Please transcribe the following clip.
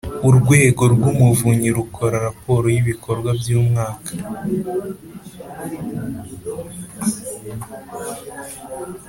urwego rw’umuvunyi rukora raporo y’ibikorwa by’umwaka.